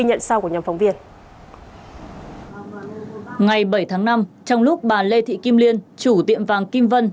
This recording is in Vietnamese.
ngày bảy tháng năm trong lúc bà lê thị kim liên chủ tiệm vàng kim vân